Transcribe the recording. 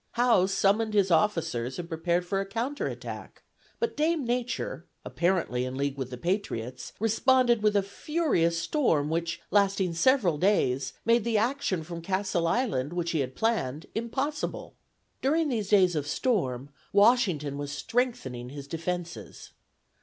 Howe summoned his officers, and prepared for a counter attack; but Dame Nature, apparently in league with the patriots, responded with a furious storm which, lasting several days, made the action from Castle Island which he had planned impossible. During these days of storm, Washington was strengthening his defenses.